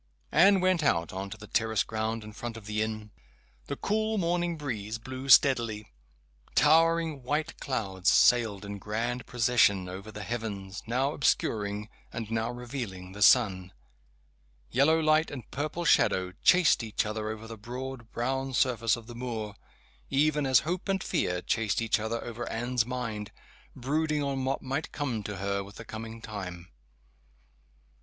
Anne went out on to the terrace ground in front of the inn. The cool morning breeze blew steadily. Towering white clouds sailed in grand procession over the heavens, now obscuring, and now revealing the sun. Yellow light and purple shadow chased each other over the broad brown surface of the moor even as hope and fear chased each other over Anne's mind, brooding on what might come to her with the coming time.